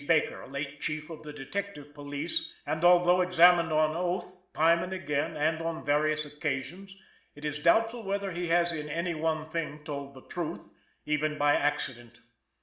Baker, late chief of the detective police, and although examined on oath, time and again, and on various occasions, it is doubtful whether he has in any one thing told the truth, even by accident.